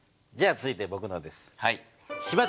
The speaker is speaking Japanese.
じゃあ続いてぼくのです。